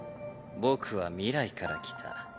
僕は未来から来た。